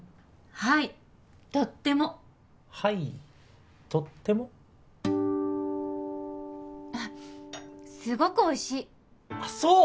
はいとっても「はいとっても」？あっすごくおいしいあっそう？